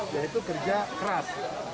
yaitu kerja keras